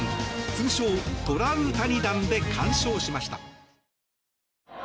通称・トラウタニ弾で完勝しました。